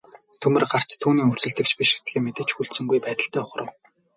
Төмөр гарт түүний өрсөлдөгч биш гэдгээ мэдэж хүлцэнгүй байдалтай ухрав.